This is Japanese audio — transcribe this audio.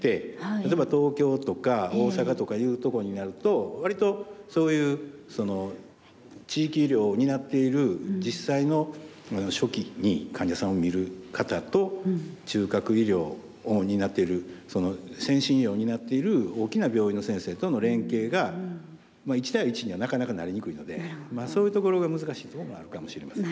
例えば東京とか大阪とかいうところになると割とそういう地域医療を担っている実際の初期に患者さんを診る方と中核医療を主に担っている先進医療を担っている大きな病院の先生との連携が１対１にはなかなかなりにくいのでそういうところが難しいところもあるかもしれません。